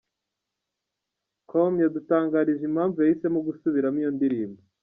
com yadutangarije impamvu yahisemo gusubiramo iyo ndirimbo.